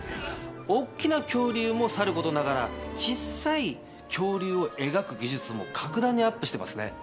大っきな恐竜もさることながら小っさい恐竜を描く技術も格段にアップしてますね。